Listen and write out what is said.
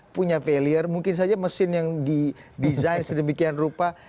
punya failure mungkin saja mesin yang didesain sedemikian rupa